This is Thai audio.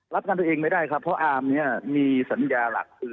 รับงานตัวเองไม่ได้ครับเพราะอามเนี่ยมีสัญญาหลักคือ